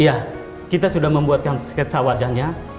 iya kita sudah membuatkan sketsa wajahnya